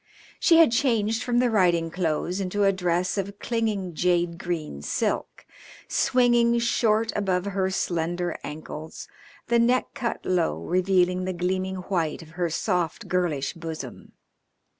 She had changed from her riding clothes into a dress of clinging jade green silk, swinging short above her slender ankles, the neck cut low, revealing the gleaming white of her soft, girlish bosom.